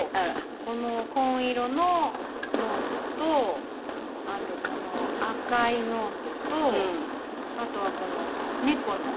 この紺色のノートとあとこの赤いノートとあとはこの猫の。